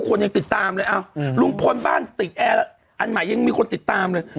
ยังติดตามเลยลุงพลบ้านติดแอร์อันใหม่ยังมีคนติดตามเลย